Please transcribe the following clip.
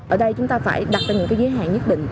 ở đây chúng ta phải đặt ra những cái giới hạn nhất định